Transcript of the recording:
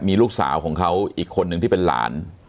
มีลูกสาวของเขาอีกคนนึงที่เป็นหลาน